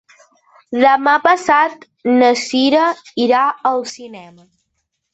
Demà passat na Cira irà al cinema.